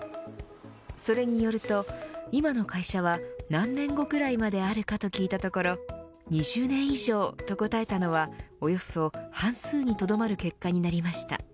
それによると今の会社は何年後くらいまであるかと聞いたところ２０年以上と答えたのはおよそ半数にとどまる結果になりました。